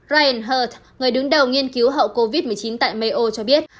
ryan her người đứng đầu nghiên cứu hậu covid một mươi chín tại mayo cho biết